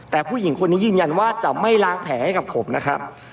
แต่ผู้หญิงคนนี้ยืนยันว่าจะไม่ล้างแผลให้กับผมนะครับ